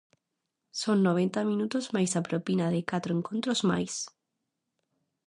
Son noventa minutos máis a propina de catro encontros máis.